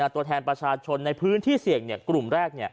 ตัวแทนประชาชนในพื้นที่เสี่ยงกลุ่มแรก